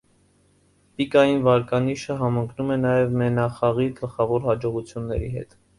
Պիկային վարկանիշը համընկնում է նաև մենախաղի գլխավոր հաջողությունների հետ։